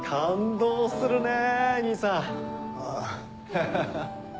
ハハハ。